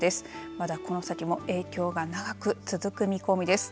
まだこの先も影響が長く続く見込みです。